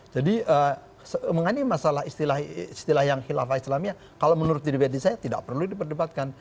jadi mengenai masalah istilah yang khilafah islamia kalau menurut didebati saya tidak perlu diperdebatkan